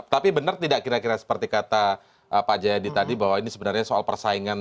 tapi benar tidak kira kira seperti kata pak jayadi tadi bahwa ini sebenarnya soal persaingan